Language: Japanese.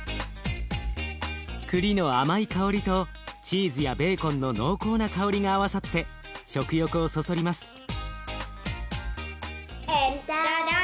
くりの甘い香りとチーズやベーコンの濃厚な香りが合わさって食欲をそそります。